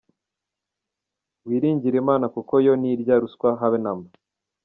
Wiringire Imana kuko yo ntirya ruswa habe namba.